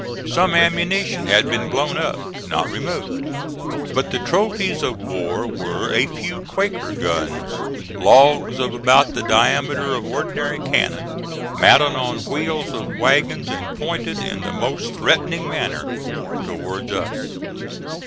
Some ammunition had been blown up not removed but the trophies of war were a few Quaker guns, logs of about the diameter of ordinary cannon, mounted on wheels of wagons and pointed in the most threatening manner towards us.